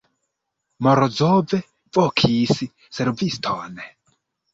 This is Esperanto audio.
Morozov vokis serviston.